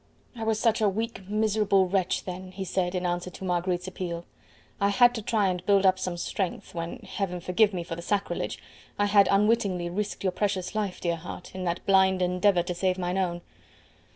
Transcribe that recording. "I was such a weak, miserable wretch, then," he said, in answer to Marguerite's appeal. "I had to try and build up some strength, when Heaven forgive me for the sacrilege I had unwittingly risked your precious life, dear heart, in that blind endeavour to save mine own.